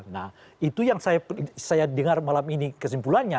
nah itu yang saya dengar malam ini kesimpulannya